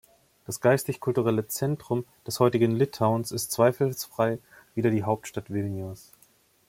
Das geistig-kulturelle Zentrum des heutigen Litauens ist zweifelsfrei wieder die Hauptstadt Vilnius.